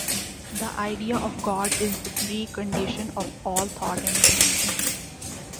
The idea of God is the precondition of all thought and being.